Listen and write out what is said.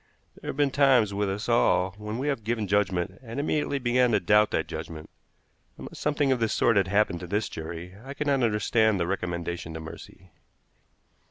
There have been times with us all when we have given judgment and immediately began to doubt that judgment. Unless something of this sort had happened to this jury, I could not understand the recommendation to mercy.